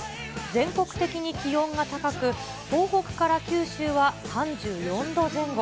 全国的に気温が高く、東北から九州は３４度前後。